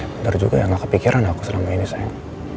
bener juga ya gak kepikiran aku selama ini sayang